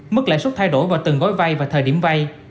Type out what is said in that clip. mức lãi suất thay đổi vào từng gói vay và thời điểm vay